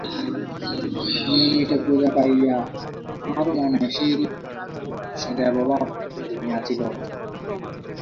নিয়মিত পূজা পাইয়া আমারও মনে সেইরূপ অত্যুচ্চ দেবভাব জন্মিয়াছিল।